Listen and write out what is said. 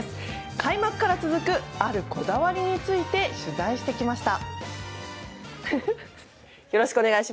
開幕から続くあるこだわりについて取材してきました。